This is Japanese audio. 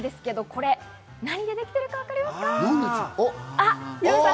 これ、何でできているかわかりますか？